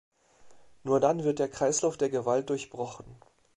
Nur dann wird der Kreislauf der Gewalt durchbrochen.